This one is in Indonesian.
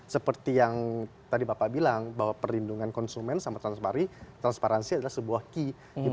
seperti yang tadi bapak bilang bahwa perlindungan konsumen sama transpari transparansi adalah sebuah key